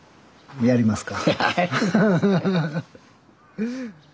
やりますか。